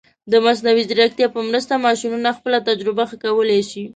د مصنوعي ځیرکتیا په مرسته، ماشینونه خپله تجربه ښه کولی شي.